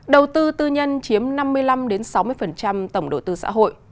đầu tư tư nhân chiếm năm mươi năm sáu mươi tổng đầu tư xã hội